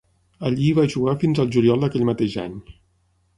Allí hi va jugar fins al juliol d'aquell mateix any.